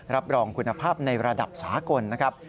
รับรองคุณภาพในระดับสากลนะครับ